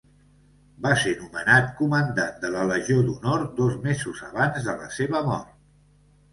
Va ser nomenat Comandant de la Legió d'Honor dos mesos abans de la seva mort.